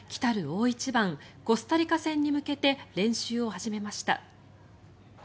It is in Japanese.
大一番コスタリカ戦に向けて練習を始めました。